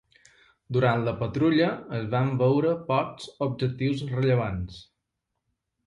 Durant la patrulla es van veure pocs objectius rellevants.